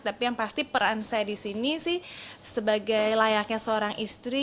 tapi yang pasti peran saya di sini sih sebagai layaknya seorang istri